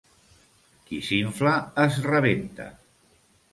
Qui s'infla es rebenta.